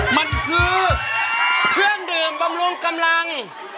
มันคือเครื่องดื่มบำรุงกำลัง